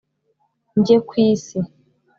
njye ku isi.